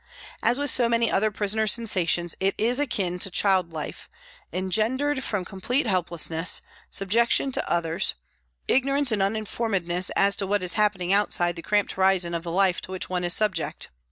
As with so many other prisoner sensations, it is akin to child life, engendered from complete helplessness, subjection to others, ignor ance and uninformedness as to what is happening outside the cramped horizon of the life to which one is subject.